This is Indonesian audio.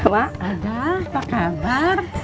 mak ada apa kabar